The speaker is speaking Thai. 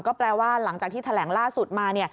ก็แปลว่าหลังจากที่แถลงล่าสุดมา